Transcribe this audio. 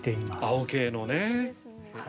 青系のね。